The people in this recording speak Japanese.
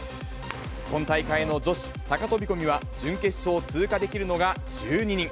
今大会の女子高飛び込みは、準決勝を通過できるのが１２人。